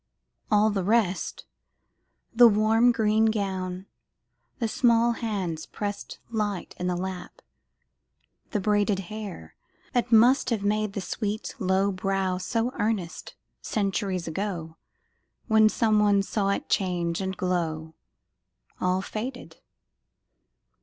All the rest The warm green gown, the small hands pressed Light in the lap, the braided hair That must have made the sweet low brow So earnest, centuries ago, When some one saw it change and glow All faded!